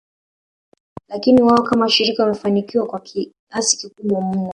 Lakini wao kama shirika wamefanikiwa kwa kiasi kikubwa mno